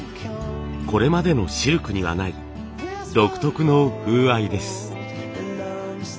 これまでのシルクにはない独特の風合いです。